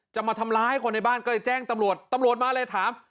จะมาทำร้ายคนในบ้านก็เลยแจ้งตำรวจตำรวจมาเลยถาม